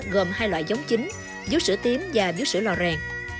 gồm hai loại giống chính vú sữa tím và biếu sữa lò rèn